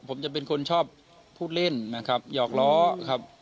ผมจะเป็นคนชอบพูดเล่นนะครับหยอกล้อครับ